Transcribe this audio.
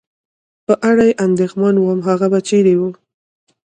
د په اړه اندېښمن ووم، هغه به چېرې و؟